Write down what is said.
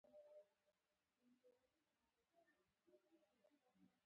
زه خپل کار کوم.